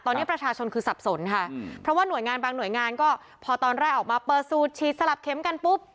ตอนนี้ประชาชนคือสับสนค่ะเพราะว่าหน่วยงานบางหน่วยงานก็พอตอนแรกออกมาเปิดสูตรฉีดสลับเข็มกันปุ๊บ